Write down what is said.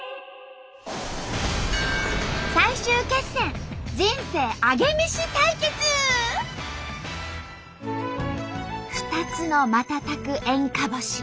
最終決戦２つの瞬く演歌星。